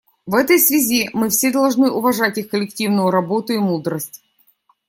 В этой связи мы все должны уважать их коллективную работу и мудрость.